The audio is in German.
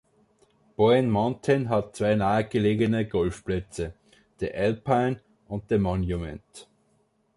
Boyne Mountain hat zwei nahe gelegene Golfplätze: "The Alpine" und "The Monument".